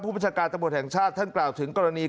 ประชาการตำรวจแห่งชาติท่านกล่าวถึงกรณี